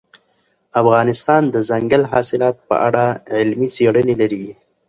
افغانستان د دځنګل حاصلات په اړه علمي څېړنې لري.